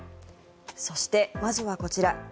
そして、まずはこちら。